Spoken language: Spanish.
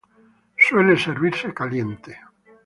Suele servirse caliente.